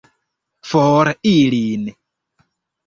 For ilin!